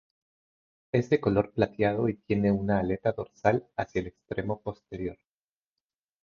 Es de color plateado y tiene una aleta dorsal hacia el extremo posterior.